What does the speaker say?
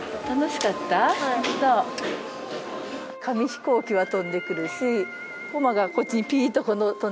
紙飛行機は飛んでくるしコマがこっちにピーッと飛んできたりね。